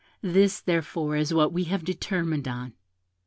This, therefore, is what we have determined on.